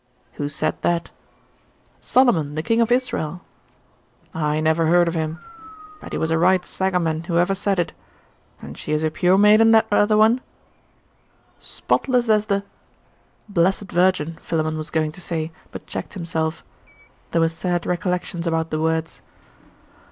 'Who said that?' 'Solomon, the king of Israel.' 'I never heard of him. But he was a right Sagaman, whoever said it. And she is a pure maiden, that other one?' 'Spotless as the' blessed Virgin, Philammon was going to say but checked himself. There were sad recollections about the words.